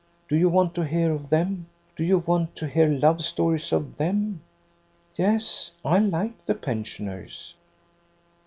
Do you want to hear of them ? Do you want to hear love stories of them 1 "" Yes. I like the pensioners.